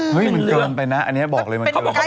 เห้ยมันเกินไปนะอันนี้บอกเลย